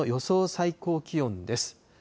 最高気温です。